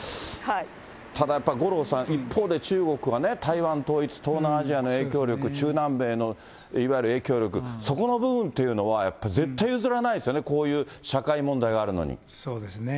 ただやっぱ五郎さん、一方中国は、台湾統一、東南アジアの影響力、中南米の影響力、そこのところは、絶対譲らないですよね、こういう社会問題があるそうですね。